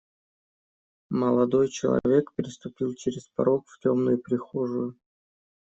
Молодой человек переступил через порог в темную прихожую.